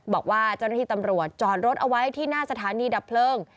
บอกว่าเจ้าหน้าที่ตำรวจจอดรถเอาไว้ที่หน้าสถานีดับเพลิง